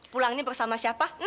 pulang ini bersama siapa